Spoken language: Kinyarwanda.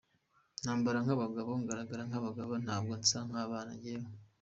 Nambara nk’abagabo, ngaragara nk’umugabo, ntabwo nsa n’abana njyewe.